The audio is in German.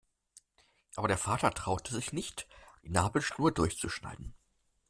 Aber der Vater traute sich nicht, die Nabelschnur durchzuschneiden.